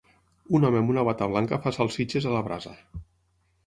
Un home amb una bata blanca fa salsitxes a la brasa.